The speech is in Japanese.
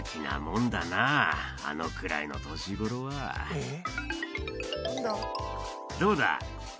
えっ？